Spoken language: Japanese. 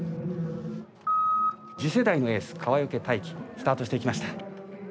次世代のエース川除大輝スタートしていきました。